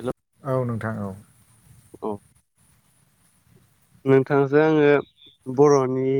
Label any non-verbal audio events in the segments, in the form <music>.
हेल' औ नोंथां औ। औ नोंथांजों आङो बर'नि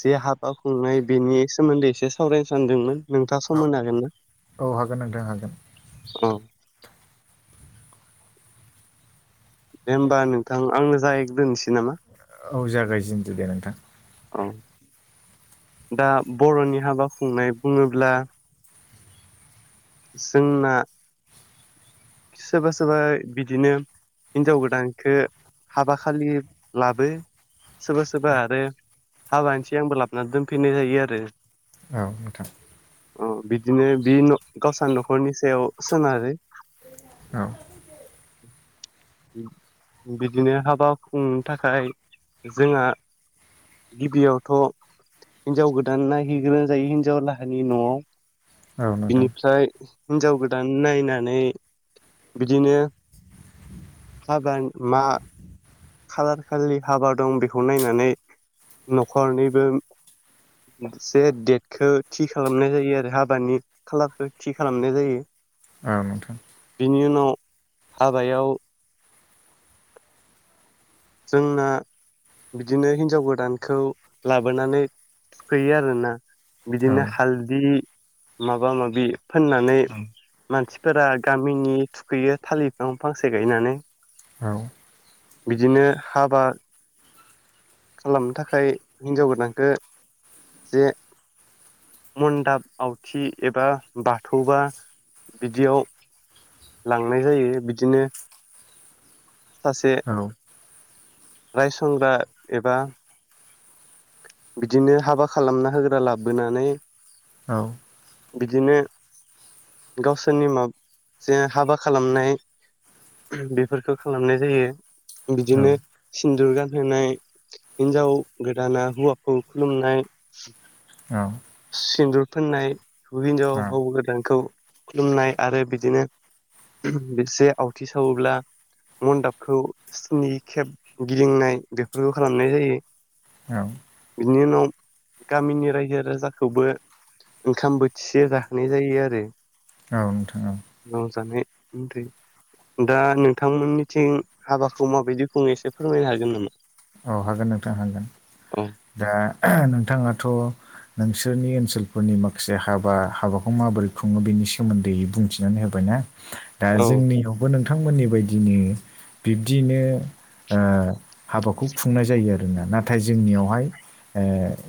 जे हाबा खुंनाय बेनि सोमोन्दै एसे सावरायनो सानदोंमोन। नोंथाङा औ सम होनो हागोन ना? औ हागोन नोंथां हागोन दे होमबा नोंथां आंनो जाय दोननोसै नामा। औ जागायजेनदो दे नोंथां। औ दा बर'नि हाबा खुंनाय बुङोब्ला जोंना सोरबा सोरबा बिदिनो हिनजाव गोदानखौ हाबा खालि लाबो‌ सोरबा सोरबा आरो हाबानि सिगांबो लाबोनानै दोनफैनाय जायो आरो। औ नोंथां। अ बिदिनो बि गावसा न'खरनि सायाव सोनारो। औ बिदिनो हाबा खुंनो थाखाय जोंहा गिबियावथ' हिनजाव गोदान नायहैग्रोनाय जायो हिनजाव लाहानि न'आव। औ नोंथां बिनिफ्राय हिनजाव गोदान नायनानै बिदिनो हाबा मा खालार खालि हाबा दं बेखौ नायनानै न'खरनिबो मोनसे डेटखौ थि खालामनाय जायो आरो हाबानि खालारखौ थि खालामनाय जायो। औ नोंथां। बिनि उनाव हाबायाव जोंना बिदिनो हिनजाव गोदानखौ लाबोनानै थुखैयो आरोना। औ बिदिनो हालदि माबा माबि फोननानै औ मानसि फोरा गामिनि थुखैयो थालिर बिफां फांसे गायनानै। औ बिदिनो हाबा खालामनो थाखाय हिनजाव गोदानखो जे मनदाब आवथि एबा बाथौबा बिदियाव लांनाय जायो बिदिनो सासे रायसंग्रा एबा बिदिनो हाबा खालामना होग्रा लाबोनानै। औ बिदिनो गावसोरनि माखासे हाबा खालामनाय बेफोरखौ खालामनाय जायो। बिदिनो सिन्दुर गानहोनाय हिनजाव गोद दाना हौवाखौ खुलुमनाय। सिन्दुर फोननाय हिनजाव हौआ गोदानखौ खुलुमनाय आरो बिदिनो बिसे आवथि सावोब्ला मडाबखौ स्नि खेब गिदिंनाय बेफोरखौ खालामनाय जायो। बिनि उनाव गामिनि रायजो राजा खौबो ओंखाम बोथिसे जाहोनाय जायो आरो औ नोंथां औ। दे दा नोंथांमोननिथिं हाबाखौ माबायदि खुङो एसे फोरमायनो हागोन नामा? औ हागोन नोंथां हागोन औ दा नोंथाङाथ' नोंसोरनि ओनसोलफोरनि माखासे हाबा हाबाखौ माबोरै खुङो बेनि सोमोन्दै बुंथिनानै होबायना। दा औ जोंनियावबो नोंथां थांमोननि बायदिनो बिब्दिनो ओ हाबाखौ खुंनाय जायो आरोना नाथाय जोंनियावहाय ओ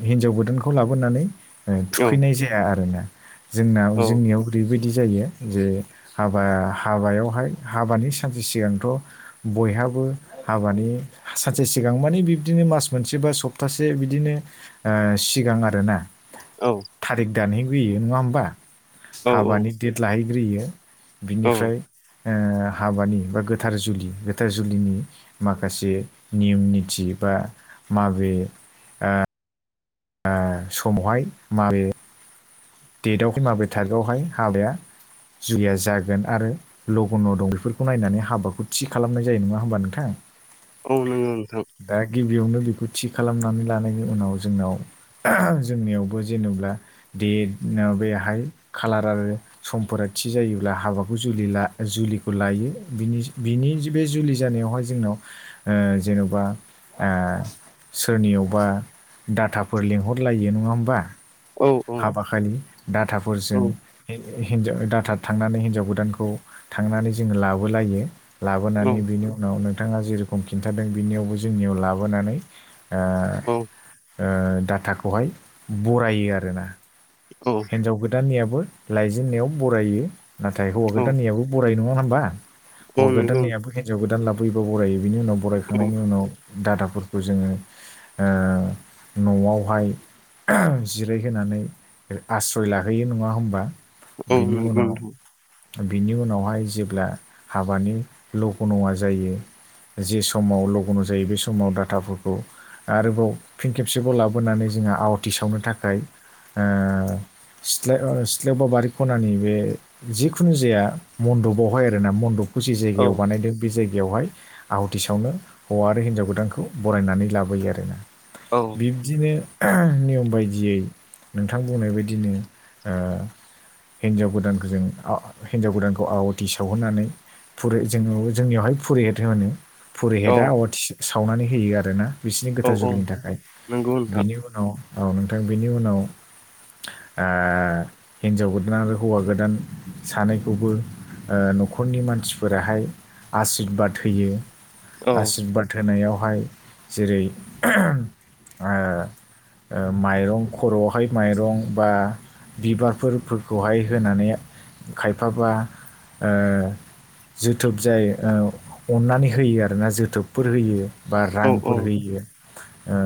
हिनजाव गोदानखौ लाबोनानै ओ औ थुखैनाय जाया आरोना जोंनाव औ जोंनियाव ओरैबायद बि जायो जे हाबा हाबायावहाय हाबानि सानसे सिगांथ' बयहा हाबो हाबानि सानसे सि गां मानिे बिबदिनो मास मोनसे बा सप्तासे बिदिनो ओ सिगां आरोना औ। थारिख दानहैग्रोयो नङा होनबा औ हाबानि देट लाहैग्रोयो औ बिनिफ्राय ओ हाबानि बा गोथार जुलि गोथार जुलिनि माखासे नियम निथि बा माबे ओ ओ समावहाय माबे डेटआव माबे थारिकआवहाय हाबाया जुलिया जागोन आरो लघ न' दं बेफोरखौ नायनानै हाबाखौ थि खालामनाय जायो नङा होमबा नोंथां। औ नोंगौ नोंथां। बेयावनो बेखौ थि खालामनानै लानायनि उनाव जोंनाव जोंनियावबो जेनेबा दे ओ बेहाय खालार आरो समफोरा थि जायोब्ला हाबाखौ जुलि ला जुलिखौ लायो। यो बिनि बिनि बे जुलि जानायावहाय जोंनाव ओ जेन'बा ओ सोरनियावबा डाटाफोर लेंंहरलायो नङा होमबा औ औ हाबााखलि डाटाफोरजो औ हिनं हिनजाव दाथा थांनानै हिन्जाव गोदानखौ थांनानै जोङो लाबोलायो। लाबोनानै बिनि उनाव नोंथाङा जेरोखम खिन्थादों बिनियावबो जोंनियाव लाबोनानै ओ औ ओ डाटाखौहाय बरायो आरोना औ हिनजाव गोदाननियाबो लायजेनन्नायाव बरायो नाथाय औ हौवा नंगौ गोदाननियाबो बराय नङा नङा होनोमबा हौवा गोदान नोंथां नैयाबो हिनजाव गोदान लाबोयोबा बरायो बिनि उनाव बरायखांनायनि औ उनाव दादाफोरखौ जोङो ओ न'आवहाय जिरायहानै आस्रय लाहैयो नङा होमबा औ बिनि नोंगौ उनाव नोंथां बिनि उनावहाय जेब्ला हाबानि लग' नङा जायो। जे समाव लगन' जायो बे समाव डाटाफोरखौ आरोबाव फिन खेबसेबाव लाबोनानै जोंङो आवाथि सावनो थाखाय ओ <unintelligible> सिथला ओ सिथ्लायावबा बारि खनानि बे जिखुनु जाया मन्दपावहाय आरोना मन्दप खुसि औ जायगायाव बानायदों बे जायग बेवहाय आहुथिसावनो हौवा आरो हिन्जाव गोदानखौ बरायनानै लाबोयो आरोना औ बिब्दिनो नियम बायदियै नोंथां बुंनाय बायदिनो ओ हिनजाव गोदानखौ जों अ हिनजाव गोदानखौ औ आवाथि सावहोनानै फुरि जों जोंनियावहाय पुरिहेत होनो औ पुरिहेतआ आवाथि सावनानै होयो आरो ना बिसोरनि औ गोथार औ जुलिनि थाखाय नंगौ नोंथां बिनि उनाव औ नोंथां बिनि उनाव ओ हिनजाव गोदान आरो हौवा गोदान सानैखौबो ओ न'खरनि मानसिफोराहाय आसिरबाद होयो। औ आसिरबाद होनायाव हाय जेरै ओ ओ माइरंख'रवावहाय माइरं बा बिबारफोरखौहाय होनानै खायफाबा ओ जोथोब जाय अननानै होयो आरोना जोथोबफोर होयो। बा औ औ रांफोर होयो। ओ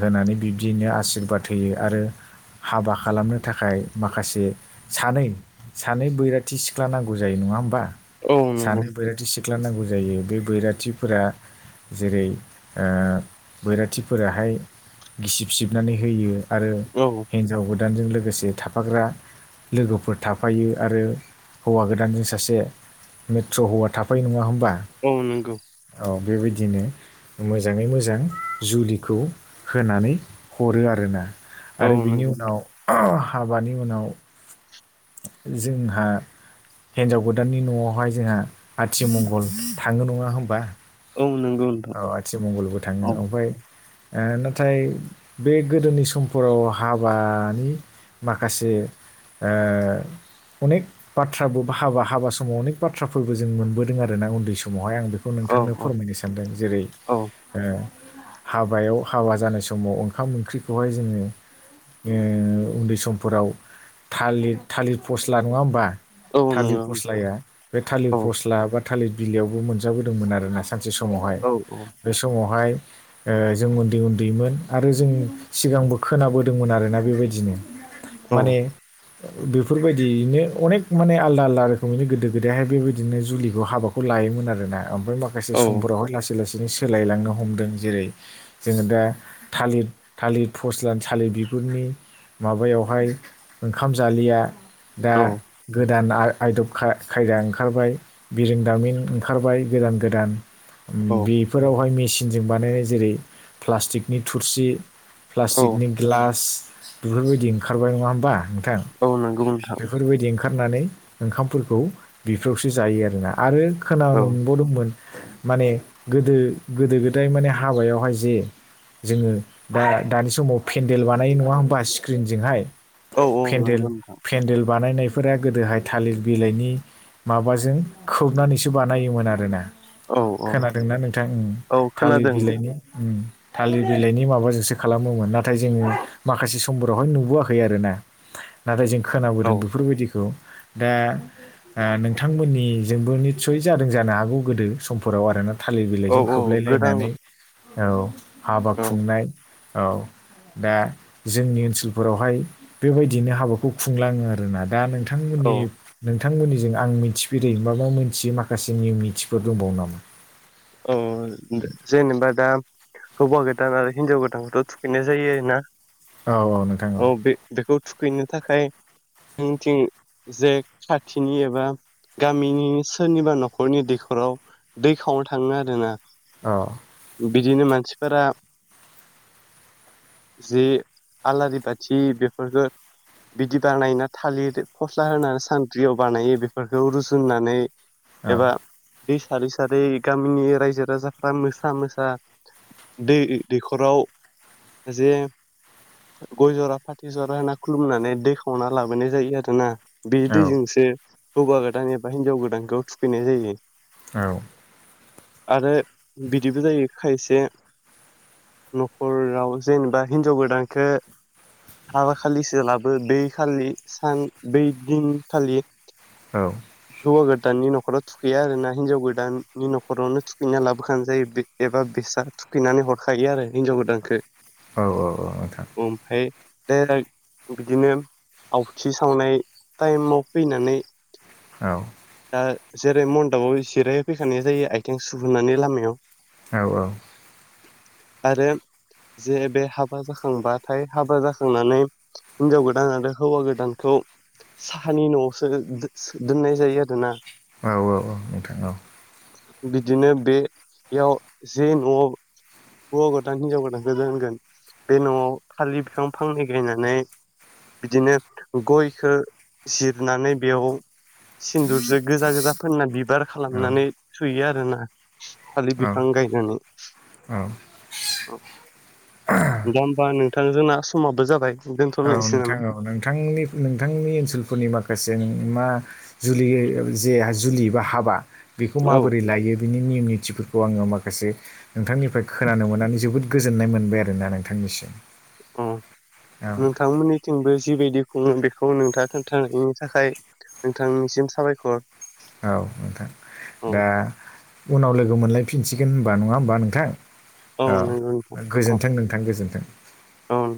होनानै बिब्दियनो आसिशिरबाद होयो आरो हाबा खालामनो थाखाय माखासे सानै सानै बैराथि सिख्ला नांगौ जायो। नङा होमबा औ नंगौ सानै बैराथि सिख्ला नांगौ जायो बे बैराथिफोरा जेरै ओ बैराथिफोराहाय गिसिब सिबनानै होयो। आरो औ हिन्जाव गोदानजों लोगोसे थाफाग्रा लोगोफोर थाफायो आरो हौवा गोदानजों सासे मेट्र' हौवा थाफायो नङा होम औ नंगौ। बेबायदिनो मोजाङै मोजां जुलिखौ होनानै हरो आरोना औ आरो बिनि नंगौ नोंथां उनाव हाबानि उनाव जोंहा हिनजाव गोदाननि न'आवहाय जोंहा आथिमंगल थाङो नङा होनबा औ नंगौ नोंथां औ आथिमंगलबो थाङो औ ओमफाय नाथाय बे गोदोनि समफोराव हाबानि माखासे ओ अनेख बाथ्राबो हाबा हाबा समाव अनेख बाथ्राफोरबो जों मोनबोदों आरोना उन्दै समावहाय आं बेखौ औ नोंथांनो औ फोरमायनो सानदों जेरै औ ओ हाबायाव हाबा जानाय समाव ओंखाम ओंख्रिखौहाय जोङो उन्दै समफोराव थालिर थालिर फस्ला नङा होमबा औ थालिर नंगौ नोंथां फस्लाया बे थालिर औ फस्ला बा थालिर बिलइयावबो मोनजाबोदोंमोन आरोना सानसे समावहाय औ औ बे समावहाय जों उन्दै उन्दैमोन आरो जों सिगांबो खोनाबोदोंमोन आरोना बेबायदिनो औ माने बेफोरबायदियैनो अनेख माने आलदा आलदा रोखोमैनो गोदो गोदायहाय बेबायदिनो जुलिखौ हाबाखौ लायोमोन। मोन आरोना मफ्राय माखासे समफोरावहाय लासै लासै बिनो सोलायलांनो हमदों जेरै जोङो दा थालिर थालिर फस्ला थालिर बे नि माबायावहाय ओंखाम जालिया दा औ दा ना आयदब खा-खायदा ओंखारबाय बिरोंदामिन ओंखारबाय गोदान गोदान औ बेफोरावहाय मेसिनजों बानायनाय जेरै प्लास्टिकनि थुरसि औ प्लास्टिकनि गिलास बेफोरबायदि ओंखारबाय नङा होमबा नोंथां। औ नंगौ नोंथां। बेफोरबायदि ओंखारनानै ओंखामफोरखौ बेफ्रावसो जायो आरोना आरो औ खोनानो मोनबावदोंमोन माने गोदो-गोदो-गोदाय माने हाबायावहाय जे जोङो दा दानि समाव पेन्देल बानायो नङा होमबा स्क्रिनजोंहाय औ औ पेन्देल नंगौ। नोंथां पेन्देल बानायनायफोरा गोदोहाय थालिर बिलाइनि माबाजों खोबनानैसो बानायोमोन आरोना औ औ खोनादोंना नोंथां औ थालिर खोनादों नोंथां बिलाइनि थालिर बिलाइनि माबाजोंसो खालामोमोन नाथाय जोङो माखासे समफोरावहाय नुबोआखै आरोना । <inaudible> नाथाय जों औ खोनाबोदों बेफोरबायदिखौ दा ओ नोंथांमोननिजोंबो नितसय जादों जानो हागौ गोदो समफोराव आरोना। थालिर औ बिलाइजों औ खोबलाय गोदान लायनानै औ हाबा औ खुंनाय। औ दा जोंनि ओनसोलफोरावहाय बेबायदिनो हाबाखौ खौ खुंलाङो आरोना दा औ नोंथांमोननि नों नोंथांमोननिजों आं मिथिफेरै माबा मोनथियै माखासे नियम नितिफोर दंबावो नामा? अ जेनेबा दा हौवा गोदान आरो हिनजाव गोदानखौथ थुखैनाय जायो आरो ना। औ औ नोंथां औ। बे बेखौ थुखैनो थाखाय जोंथिं जे साथिनि एबा गामिनि सोरनिबा नखरनि दैखराव दै खावनो थाङो आरो ना। अ बिदिनो मानसिफोरा जि आलारि बाथि बेफोरफोरखो बिदि बानायोना थालिर फस्ला होनानै सानद्रियाव बानायो बेफोरखौ रुजुननानै औ एबा दै सारै सारै गामिनि राज्यो राजाफ्रा मोसा मोसा दै दैखराव जे गय जरा फाथै जरा होना खुलुमनानै दैखावना लाबोनाय जायो आरोना। बे औ दैजोंसो हौवा गोदान एबा हिनजाव गोदानखौ थुखैनाय जायो। औ आरो बिदिबो जायो खायसे नखराव जेनेबा हिनजाव गोदानखो हाबा खालिसोलाबो बै खालि सान बै दिनखालि औ हौवा गोदाननि नखराव थुखैया आरो ना हिनजाव गोदान नि नखरावनो थुखैना लाबोखानाय जायो एबा बेसा थुखैनानै हरखायो आरो हिनजाव गोदानखो। औ औ औ थार। दायरेक बिदिनो आवथि सावनाय टाइमाव फैनानै औ दा जेरै मन्दबाव जिरायहोफैखानाय जायो आथिं सुहोनानै लामायाव औ औ आरो जे बे हाबा जाखांबाथाय हाबा जाखांनानै हिन्जाव गोदान आरो हौवा गोदानखौ साहानि नआवसो दोननाय जायो आरोना। औ औ औ नोंथां औ। बिदिनो बे बेयाव जे नआव हौवा गोदान हिनजाव गोदानखो दोनगोन बे नआव थालिर बिफां फांनै गायनानै बिदिनो गयखो जिरनानै बेयाव सिन्दुरजों गोजा गोजा फोनना बिबार औ खालामनानै थुयो आरोना। थालिर औ बिफां गायनानै औ <inaudible> ओम दा होमबा नोंथां जोंना समाबो जाबाय। औ दोनथ'लायनोसै नोंथां नामा औ नोंथांनि नोंथांनि ओनसोलफोरनि माखासे नों मा जुलि जे जुलि बा हाबा बेखौ औ माबोरै लायो बिनि नियम निथिफोरखौ आङो माखासे नोंथांनिफ्राय खोनानो मोननानै जोबोद गोजोननाय मोनबाय आरोना नोंथांनिसिम। ओम औ <inaudible> नोंथांमोननिथिंबो जिबायदि बुङो बेखौ नोंथाङा खोन्थानायनि थाखाय नोंथांनिसिम साबायखर। औ नोंथां औ दा उनाव लोगो मोनलायफिनसिगोन होनबा नङा होमबा नोंथां। नंगौ नोंथां औ औ गोजोनथों नोंथां गोजोनथों औ